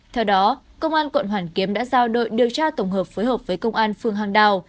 theo đó công an quận hoàn kiếm đã giao đội điều tra tổng hợp phối hợp với công an phường hàng đào